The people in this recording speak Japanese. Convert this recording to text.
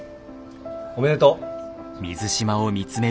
おめでとう。